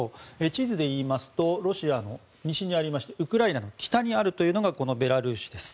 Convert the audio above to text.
地図でいいますとロシアの西にありましてウクライナの北にあるのがベラルーシです。